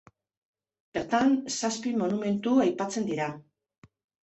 Bertan zazpi monumentu aipatzen dira.